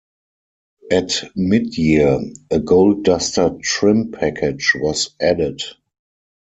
At midyear, a Gold Duster trim package was added.